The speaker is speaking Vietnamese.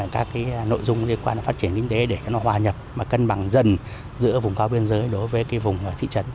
các nội dung liên quan phát triển kinh tế để nó hòa nhập cân bằng dần giữa vùng cao biên giới đối với vùng thị trấn